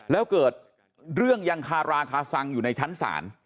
แล้วเกิดเรื่องยังคาราคาซังอยู่ในชั้นศาล